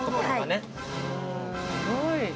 ◆すごい。